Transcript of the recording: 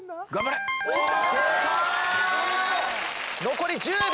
残り１０秒。